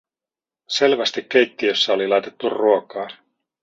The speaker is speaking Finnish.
Selvästi keittiössä oli laitettu ruokaa.